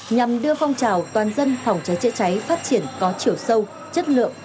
nhằm đưa phong trào toàn dân phòng cháy chữa cháy phát triển có chiều sâu chất lượng